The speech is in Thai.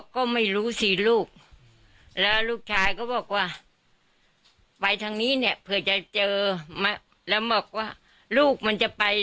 ก็ไม่อยู่จะไปกับพ่อมัน